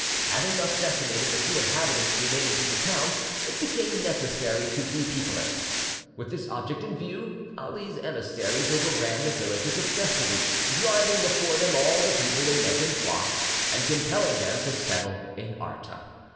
Having thus decimated the few inhabitants remaining to the town, it became necessary to repeople it. With this object in view, Ali's emissaries overran the villages of Thessaly, driving before them all the people they met in flocks, and compelling them to settle in Arta.